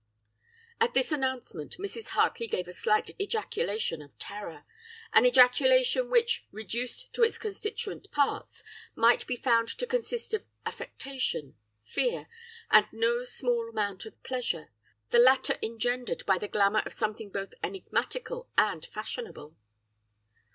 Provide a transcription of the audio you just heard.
"At this announcement Mrs. Hartley gave a slight ejaculation of terror an ejaculation which, reduced to its constituent parts, might be found to consist of affectation, fear, and no small amount of pleasure, the latter engendered by the glamour of something both ENIGMATICAL and FASHIONABLE.